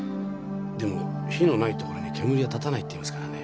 でも火のないところに煙は立たないって言いますからね。